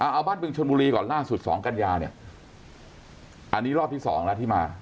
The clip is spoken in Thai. เอาบ้านบึงชนบุรีก่อนล่าสุด๒กัญญาเนี่ยอันนี้รอบที่๒แล้วที่มา